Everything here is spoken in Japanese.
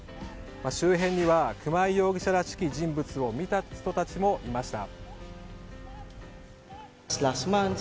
周辺には熊井容疑者らしき人物を見た人たちもいました。